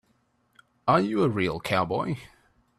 Are you a real cowboy?